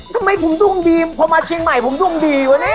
ทำไมผมดวงดีพอมาเชียงใหม่ผมดวงดีวะเนี่ย